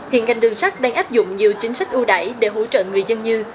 hiện ngành đường sắt đang áp dụng nhiều chính sách ưu đải để hỗ trợ người dân như